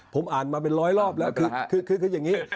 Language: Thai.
ผมอ่านมาเป็นร้อยรอบแล้วคืออย่างนี้